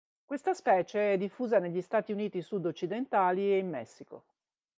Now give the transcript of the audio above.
Questa specie è diffusa negli Stati Uniti sud-occidentali e in Messico.